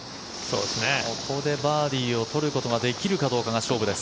ここでバーディーを取ることができるかどうかが勝負です。